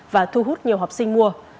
và thu hút nhiều học sinh mua